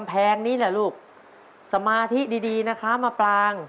ปลาโรมาค่ะ